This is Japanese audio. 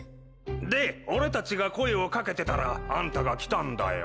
で俺たちが声を掛けてたらあんたが来たんだよ。